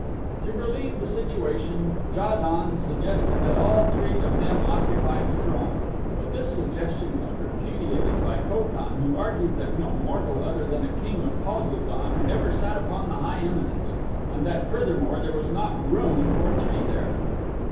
To relieve the situation Ja don suggested that all three of them occupy the throne, but this suggestion was repudiated by Ko tan who argued that no mortal other than a king of Pal ul don had ever sat upon the high eminence, and that furthermore there was not room for three there.